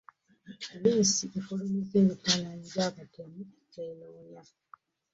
Poliisi efulumiza ebifananyi bya batemu benonya.